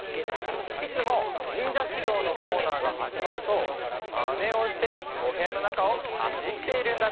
いつもにんじゃしゅぎょうのコーナーがはじまるとマネをしておへやのなかをはしっているんだって。